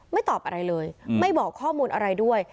ตอบอะไรเลยไม่บอกข้อมูลอะไรด้วย